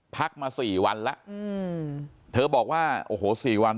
พักมา๔วันละเธอบอกว่าโอ้โห๔วัน